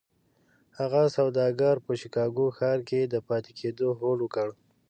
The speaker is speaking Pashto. هغه سوداګر په شيکاګو ښار کې د پاتې کېدو هوډ وکړ.